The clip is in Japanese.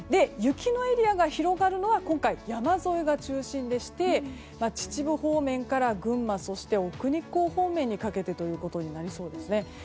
雪のエリアが広がるのは今回、山沿いが中心でして秩父方面から群馬そして奥日光方面にかけてとなりそうです。